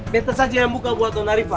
betes aja yang buka buat dona riva